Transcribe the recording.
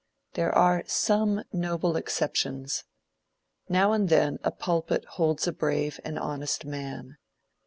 There are some noble exceptions. Now and then a pulpit holds a brave and honest man.